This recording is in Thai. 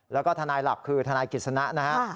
แล้วก็ทนายหลักคือทนายกิจสนะนะฮะ